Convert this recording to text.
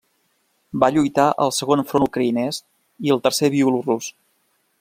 Va lluitar al segon front ucraïnès i al tercer bielorús.